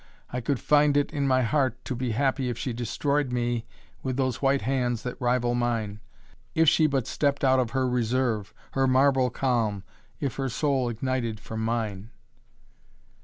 I could find it in my heart to be happy if she destroyed me with those white hands that rival mine, if she but stepped out of her reserve, her marble calm, if her soul ignited from mine."